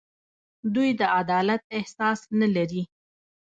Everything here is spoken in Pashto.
دوی د عدالت احساس نه لري.